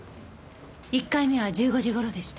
１回目は１５時頃でした。